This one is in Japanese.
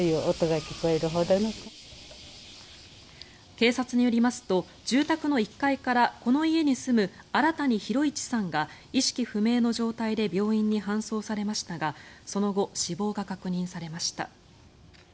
警察によりますと住宅の１階からこの家に住む荒谷大一さんが意識不明の状態で病院に搬送されましたがその後、死亡が確認されました。